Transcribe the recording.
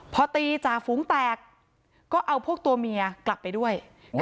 พอตีจ่าฝูงแตกก็เอาพวกตัวเมียกลับไปด้วย